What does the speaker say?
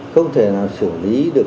không thể nào xử lý được